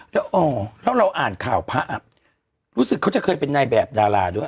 แล้วอ๋อแล้วเราอ่านข่าวพระรู้สึกเขาจะเคยเป็นนายแบบดาราด้วย